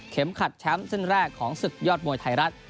ขัดแชมป์เส้นแรกของศึกยอดมวยไทยรัฐ